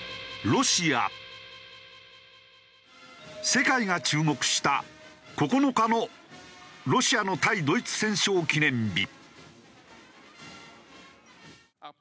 世界が注目した９日のロシアの対ドイツ戦勝記念日。